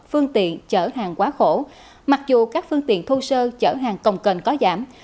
phương tiện chở hàng quá khổ mặc dù các phương tiện thô sơ chở hàng công cơn có giảm